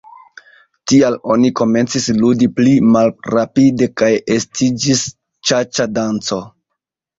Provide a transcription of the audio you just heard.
Tial oni komencis ludi pli malrapide kaj estiĝis ĉaĉa-danco.